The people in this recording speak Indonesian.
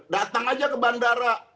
datang aja ke bandara